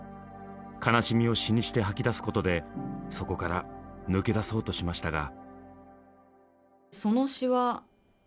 悲しみを詩にして吐き出すことでそこから抜け出そうとしましたが。